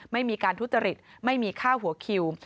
ไม่มีการทุจริตไม่มีค่าหัวคิว